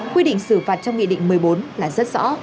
quy định xử phạt trong nghị định một mươi bốn là rất rõ